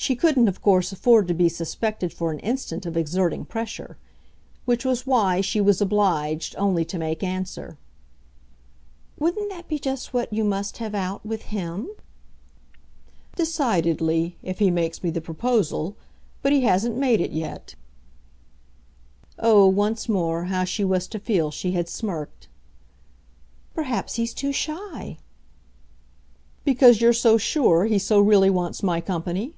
She couldn't of course afford to be suspected for an instant of exerting pressure; which was why she was obliged only to make answer: "Wouldn't that be just what you must have out with HIM?" "Decidedly if he makes me the proposal. But he hasn't made it yet." Oh, once more, how she was to feel she had smirked! "Perhaps he's too shy!" "Because you're so sure he so really wants my company?"